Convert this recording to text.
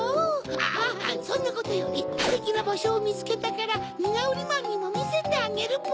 あそんなことよりステキなばしょをみつけたからニガウリマンにもみせてあげるポ！